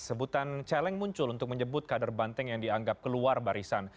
sebutan celeng muncul untuk menyebut kader banteng yang dianggap keluar barisan